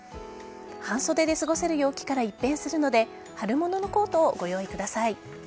半袖で過ごせる陽気から一変するので春物のコートをご用意ください。